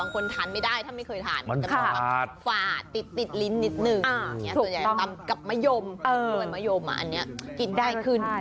อันนี้กินได้ขึ้น